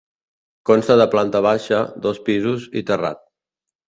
Consta de planta baixa, dos pisos i terrat.